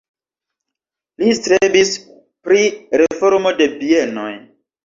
Li strebis pri reformo de bienoj.